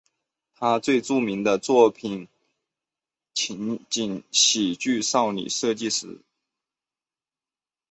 他最著名的作品是情景喜剧少女设计师。